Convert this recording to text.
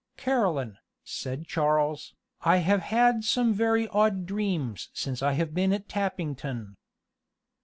"Caroline," said Charles, "I have had some very odd dreams since I have been at Tappington."